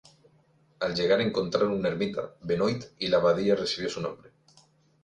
Al llegar encontraron una ermita, Benoit, y la abadía recibió su nombre.